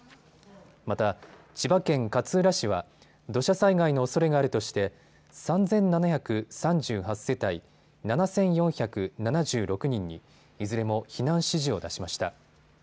また、千葉県勝浦市は土砂災害のおそれがあるとして３７３８世帯７４７６人にいずれも避難指示を出しました。